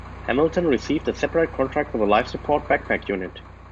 Hamilton received a separate contract for the life support backpack unit.